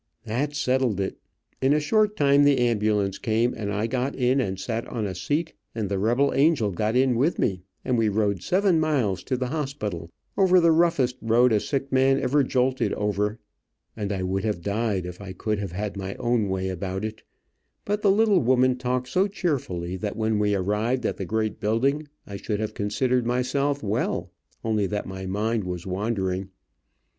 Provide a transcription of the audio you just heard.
That settled it. In a short time the ambulance came, and I got in and sat on a seat, and the rebel angel got in with me, and we rode seven miles to the hospital, over the roughest road a sick man ever jolted over, and I would have died, if I could have had my own way about it, but the little woman talked so cheerfully that when we arrived at the great building, I should have considered myself well, only that my mind was wandering.